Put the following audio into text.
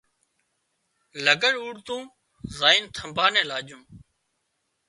لگھڙ اوڏتون زائينَ ٿمڀا نين لاڄون